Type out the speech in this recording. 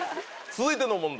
続いての問題